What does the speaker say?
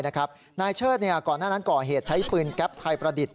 นายเชิดก่อนหน้านั้นก่อเหตุใช้ปืนแก๊ปไทยประดิษฐ